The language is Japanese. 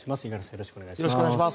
よろしくお願いします。